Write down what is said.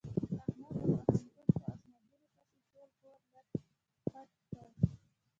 احمد د پوهنتون په اسنادونو پسې ټول کور لت پت کړ.